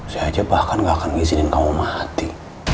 saya aja bahkan gak akan mengizin kamu mati